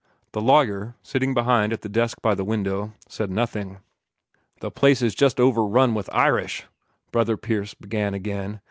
The lawyer, sitting behind at the desk by the window, said nothing. "The place is jest overrun with Irish," Brother Pierce began again.